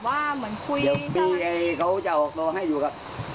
หนูมีอันนี้ให้พี่ดูหนูจะถามว่าใช่พี่เขามา